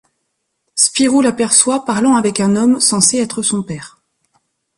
Spirou l'aperçoit parlant avec un homme, censé être son père.